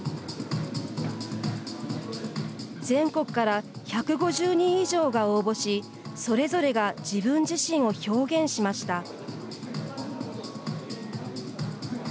全国から１５０人以上が応募しそれぞれが自分自身を表現しました。